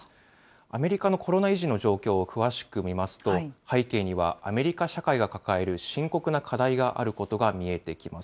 アメリカのコロナ遺児の状況を詳しく見ますと、背景にはアメリカ社会が抱える深刻な課題があることが見えてきます。